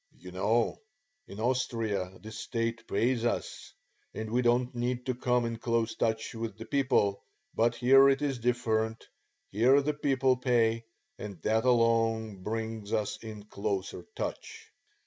"You know in Austria the State pays us, and we don't need to come in close touch with the people, but here it is different; here the people pay, and that alone brings us in closer touch."